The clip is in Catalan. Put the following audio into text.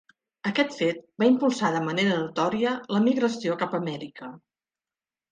Aquest fet va impulsar de manera notòria la migració cap a Amèrica.